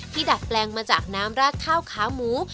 ดัดแปลงมาจากน้ำราดข้าวขาหมู